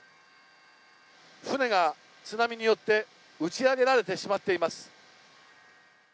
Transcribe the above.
船が津波によって打ち上げられてしまっています。